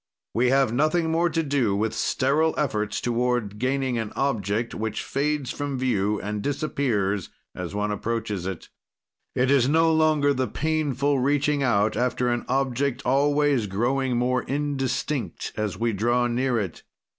"We have nothing more to do with sterile efforts toward gaining an object which fades from view and disappears as one approaches it. "It is no longer the painful reaching out after an object always growing more indistinct as we draw near it.